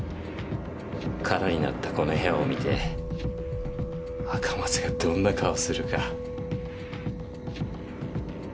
空になったこの部屋を見て赤松がどんな顔するか。